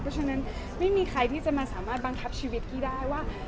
เพราะฉะนั้นไม่มีใครที่จะมาสามารถบังคับชีวิตกี้ได้ว่า